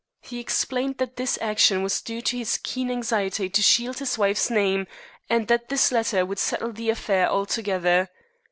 He explained that his action was due to his keen anxiety to shield his wife's name, and that this letter would settle the affair altogether.